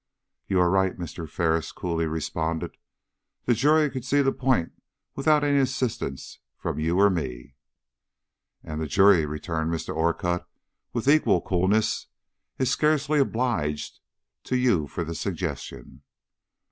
"You are right," Mr. Ferris coolly responded. "The jury could see the point without any assistance from you or me." "And the jury," returned Mr. Orcutt, with equal coolness, "is scarcely obliged to you for the suggestion."